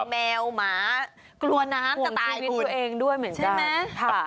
แมวหมากลัวน้ำจะตายกุฏ